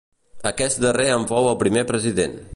Aquest darrer en fou el primer president.